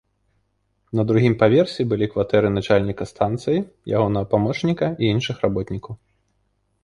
На другім паверсе былі кватэры начальніка станцыі, ягонага памочніка і іншых работнікаў.